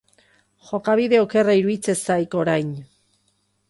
Jokabide okerra iruditzen zaidak orain.